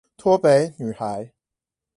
脫北女孩